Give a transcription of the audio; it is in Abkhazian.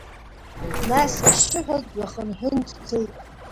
Нас ашьшьыҳәа дҩахынҳәын дцеит.